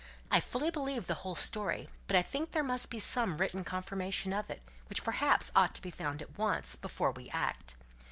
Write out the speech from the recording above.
"I fully believe the whole story; but I think there must be some written confirmation of it, which perhaps ought to be found at once, before we act.